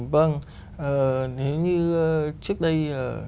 vâng nếu như trước đây